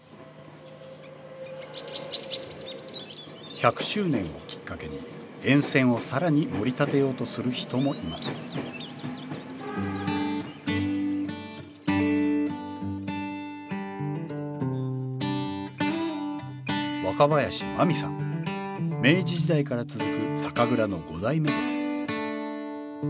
１００周年をきっかけに沿線を更にもり立てようとする人もいます明治時代から続く酒蔵の５代目です